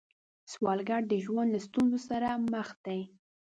سوالګر د ژوند له ستونزو سره مخ دی